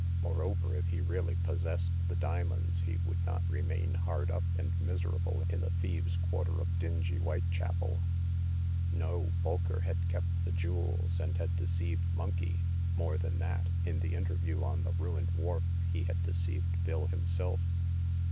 Moreover, if he really pos sessed the diamonds, he would not remain hard up and miserable in the thieves' quarter of dingy Whitechapel. No ; Bolker had kept the jewels, and had deceived Monkey; more than that, in the interview on the ruined wharf he had The Seventh Customer. 199 deceived Bill himself.